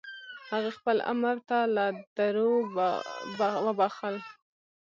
هغې خپل عمر تا له دروبخل.